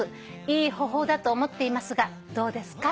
「いい方法だと思っていますがどうですか？」